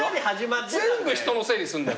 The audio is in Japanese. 全部人のせいにすんだから。